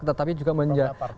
tetapi juga menjajakan rakyat